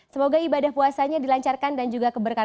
semoga ibadah puasanya dilancarkan dan juga keberkahan